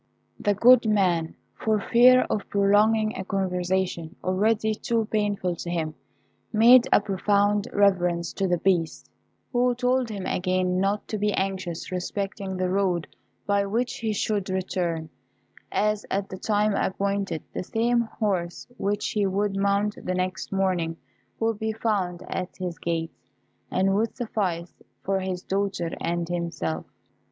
The good man, for fear of prolonging a conversation already too painful to him, made a profound reverence to the Beast, who told him again not to be anxious respecting the road by which he should return; as at the time appointed the same horse which he would mount the next morning would be found at his gate, and would suffice for his daughter and himself.